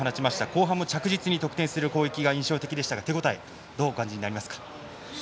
後半も着実に得点する攻撃が印象的でしたが手応えはどうお感じになりますか。